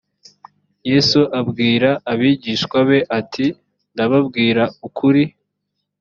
yesu abwira abigishwa be ati ndababwira ukuri